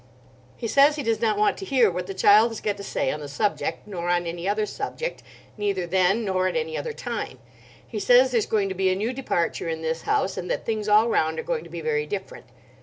He says he does not want to hear what the child has got to say on the subject—nor on any other subject, neither then nor at any other time. He says there's going to be a new departure in this house, and that things all round are going to be very different.